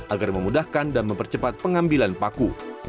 agar memudahkan dan mempercepat pengambilan paku